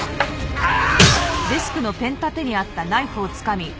ああ。